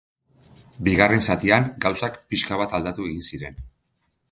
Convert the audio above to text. Bigarren zatian gauzak pixka bat aldatu egin ziren.